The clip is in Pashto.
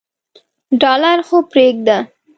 ډالر خو پریږده.